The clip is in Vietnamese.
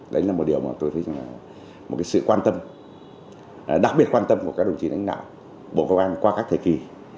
đấy là một điều mà tôi thấy là một sự quan tâm đặc biệt quan tâm của các đồng chí đánh đạo bộ công an qua các thời kỳ